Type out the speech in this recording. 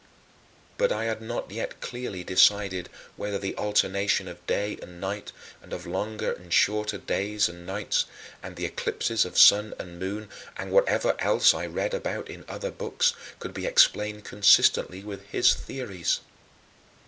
But I had not yet clearly decided whether the alternation of day and night, and of longer and shorter days and nights, and the eclipses of sun and moon, and whatever else I read about in other books could be explained consistently with his theories.